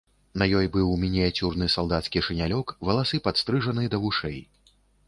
На ёй быў мініяцюрны салдацкі шынялёк, валасы падстрыжаны да вушэй.